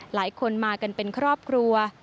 หลายคนมากันเป็นครอบครัว